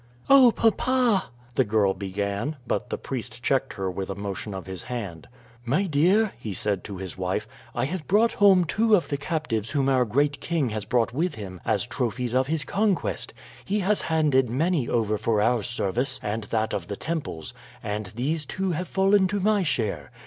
"Oh, papa " the girl began, but the priest checked her with a motion of his hand. "My dear," he said to his wife, "I have brought home two of the captives whom our great king has brought with him as trophies of his conquest. He has handed many over for our service and that of the temples, and these two have fallen to my share.